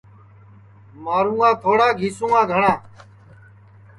مارُوں گا تھوڑا گِیسُوں گا گھٹؔا